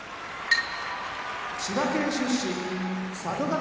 千葉県出身佐渡ヶ